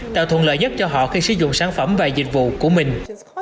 tạo thuận lợi nhất cho họ khi sử dụng sản phẩm và dịch vụ của mình